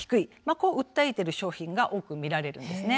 こう訴えている商品が多く見られるんですね。